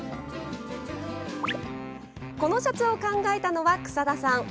このシャツを考えたのは草田さん。